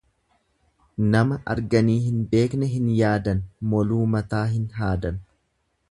Nama arganii hin beekne hin yaadan moluu mataa hin haadan.